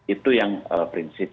itu yang prinsip